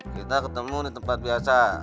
kita ketemu di tempat biasa